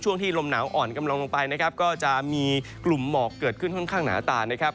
ช่วงที่ลมหนาวอ่อนกำลังลงไปนะครับก็จะมีกลุ่มหมอกเกิดขึ้นค่อนข้างหนาตานะครับ